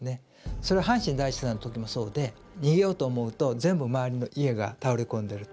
それは阪神大震災の時もそうで逃げようと思うと全部周りの家が倒れ込んでると。